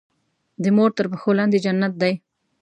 د مور تر پښو لاندې جنت دی.